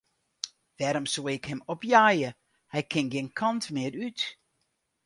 Wêrom soe ik him opjeie, hy kin gjin kant mear út.